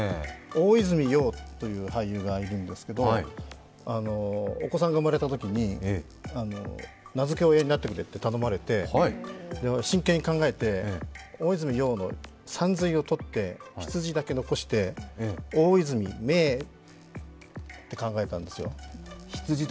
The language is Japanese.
大泉洋という俳優がいるんですけれども、お子さんが生まれたときに名付け親になってくれと頼まれて真剣に考えて、大泉洋のさんずいをとって、羊だけ残して、大泉めいって考えたんですよ。